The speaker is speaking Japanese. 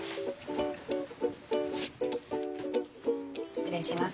失礼します。